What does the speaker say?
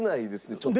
ちょっとね。